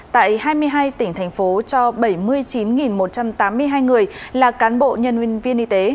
tại hai mươi hai tỉnh thành phố cho bảy mươi chín một trăm tám mươi hai người là cán bộ nhân viên y tế